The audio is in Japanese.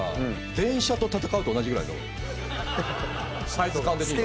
サイズ感的には。